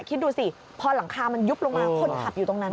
คิดดูสิพอหลังคามันยุบลงมาคนขับอยู่ตรงนั้น